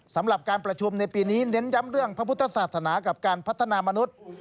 สำหรับการประชุมในปีนี้เน้นย้ำเรื่องพระพุทธศาสนากับการพัฒนามนุษย์